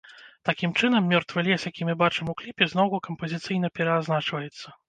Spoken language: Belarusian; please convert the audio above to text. Такім чынам, мёртвы лес, які мы бачым у кліпе, зноўку кампазіцыйна пераазначваецца.